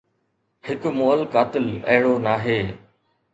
هڪ مئل قاتل اهڙو ناهي